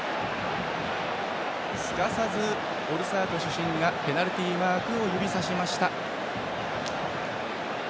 すかさずオルサート主審がペナルティーマークを指さしました。